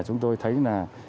chúng tôi thấy là